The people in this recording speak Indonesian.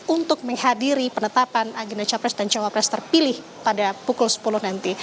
untuk menghadiri penetapan agenda capres dan cawapres terpilih pada pukul sepuluh nanti